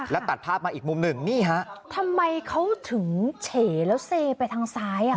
แล้วตัดภาพมาอีกมุมหนึ่งนี่ฮะทำไมเขาถึงเฉแล้วเซไปทางซ้ายอ่ะ